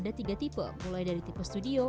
ada tiga tipe mulai dari tipe studio